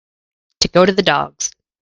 To go to the dogs.